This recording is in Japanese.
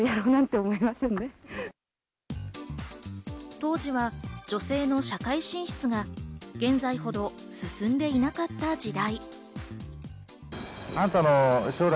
当時は女性の社会進出が現在ほど進んでいなかった時代。